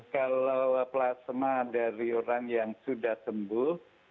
kalau plasma dari orang yang sudah sembuh